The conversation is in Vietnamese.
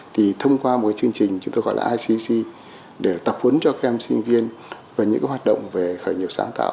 thì thông qua một chương trình chúng tôi gọi là icc để tập huấn cho các em sinh viên về những hoạt động về khởi nghiệp sáng tạo